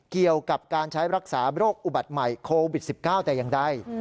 เกี่ยวกับการใช้รักษาโรคอุบัติใหม่โควิด๑๙แต่อย่างใด